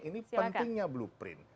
ini pentingnya blueprint